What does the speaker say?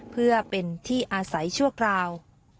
เพื่อเป็นที่อาศัยชั่วคราว